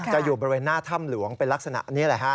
จะอยู่บริเวณหน้าถ้ำหลวงเป็นลักษณะนี้